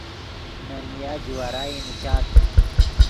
نے نیا جوارائی نیچاد